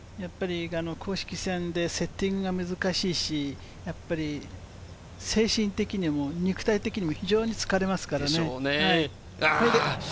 公式戦でセッティングが難しいし、やっぱり精神的にも肉体的にも非常に疲れますからね。